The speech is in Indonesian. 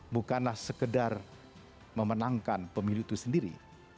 bukanlah sekedar memenangkan pemilu itu sendiri